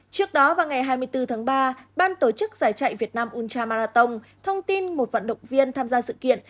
trước đó vào ngày hai mươi bốn tháng ba ban tổ chức giải chạy việt nam uncha marathon thông tin một vận động viên tham gia sự kiện